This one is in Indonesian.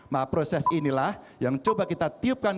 maka proses inilah yang coba kita tiupkan